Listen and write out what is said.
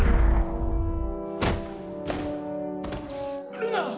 ルナ。